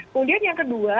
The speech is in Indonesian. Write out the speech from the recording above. kemudian yang kedua